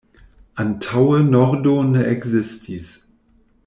Antaŭe nordo ne ekzistis.